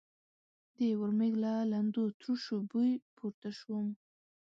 د ورمېږ له لندو تروشو بوی پورته شو.